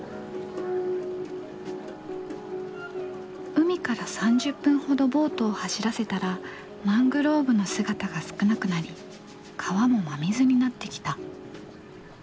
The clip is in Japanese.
海から３０分ほどボートを走らせたらマングローブの姿が少なくなり川も真水になってきた。